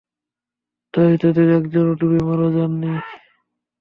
তাই তাদের একজনও ডুবে মারা যাননি।